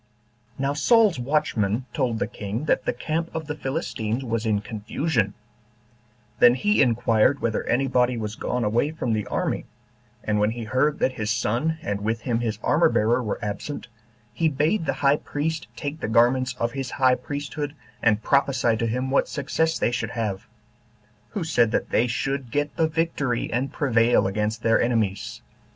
3. Now Saul's watchmen told the king that the camp of the Philistines was in confusion; then he inquired whether any body was gone away from the army; and when he heard that his son, and with him his armor bearer, were absent, he bade the high priest take the garments of his high priesthood, and prophesy to him what success they should have; who said that they should get the victory, and prevail against their enemies.